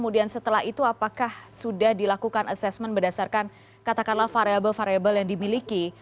dan setelah itu apakah sudah dilakukan assessment berdasarkan katakanlah variable variable yang dimiliki